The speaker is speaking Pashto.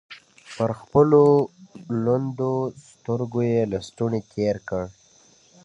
پر خپلو لندو سترګو يې لستوڼۍ تېر کړ.